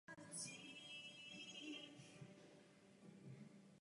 Není naší prací předpovídat v těchto zemích možný vývoj.